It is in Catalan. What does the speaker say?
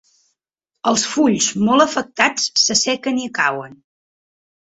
Els fulls molt afectats s'assequen i cauen.